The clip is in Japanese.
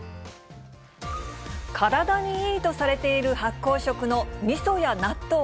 体にいいとされている発酵食のみそや納豆。